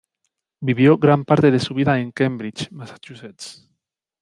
Vivió gran parte de su vida en Cambridge, Massachusetts.